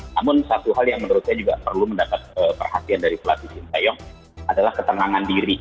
namun satu hal yang menurut saya juga perlu mendapat perhatian dari pelatih sintayong adalah ketenangan diri